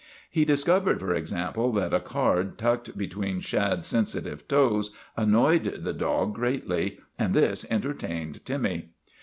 He discovered, for example, that a card tucked be tween Shad's sensitive toes annoyed the dog greatly, and this entertained Timmy.